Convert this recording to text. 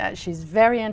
tôi là giang